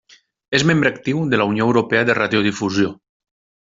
És membre actiu de la Unió Europea de Radiodifusió.